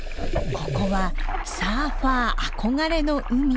ここはサーファー憧れの海。